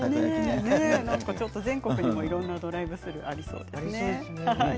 全国にいろんなドライブスルーがありそうですね。